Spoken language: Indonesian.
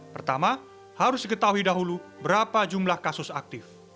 pertama harus diketahui dahulu berapa jumlah kasus aktif